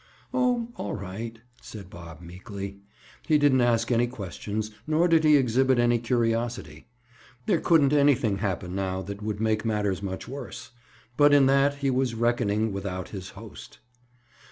"Oh, all right," said Bob meekly. He didn't ask any questions, nor did he exhibit any curiosity. There couldn't anything happen now that would make matters much worse. But in that, he was "reckoning without his host."